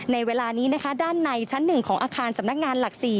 ในเวลานี้นะคะด้านในชั้น๑ของอาคารสำนักงานหลัก๔